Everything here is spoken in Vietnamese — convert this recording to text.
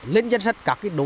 lên danh sách các đối tượng